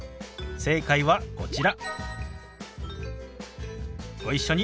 正解はこちら。